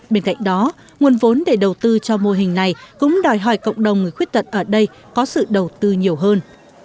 bên cạnh đó nguồn vốn để đầu tư cho mô hình này cũng đòi hỏi cộng đồng người khuyết tật ở đây có sự đầu tư nhiều hơn